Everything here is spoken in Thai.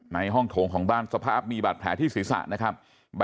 ในห้องโถงของบ้านสภาพมีบาดแผลที่ศีรษะนะครับ